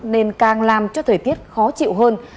nên càng làm cho thời tiết khó chịu hơn